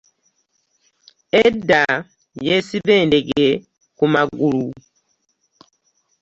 Eddda yesiba endege ku magulu .